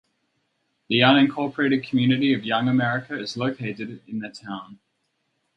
The unincorporated community of Young America is located in the town.